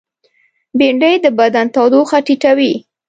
بېنډۍ د بدن تودوخه ټیټوي